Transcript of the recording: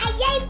udah nyerah aja